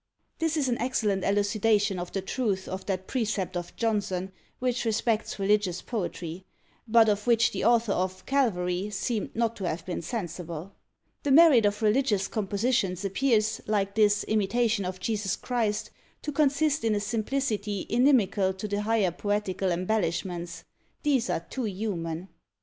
This is an excellent elucidation of the truth of that precept of Johnson which respects religious poetry; but of which the author of "Calvary" seemed not to have been sensible. The merit of religious compositions appears, like this "Imitation of Jesus Christ," to consist in a simplicity inimical to the higher poetical embellishments; these are too human!